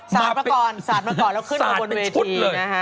สานมาก่อนแล้วขึ้นมาบนเวที